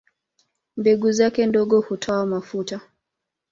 Mbegu zake ndogo hutoa mafuta.